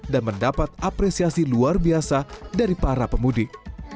dan mendapat apresiasi luar biasa dari para pemudik